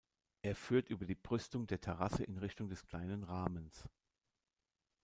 Er führt über die Brüstung der Terrasse in Richtung des kleinen Rahmens.